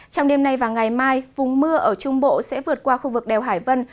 trong đêm nay và ngày mai vùng mưa ở trung bộ sẽ vượt qua khu vực đèo hải vân